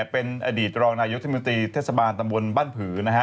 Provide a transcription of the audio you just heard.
เป็นอดีตรองนายุทธมนตรีเทศบาลตำบลบ้านผือนะฮะ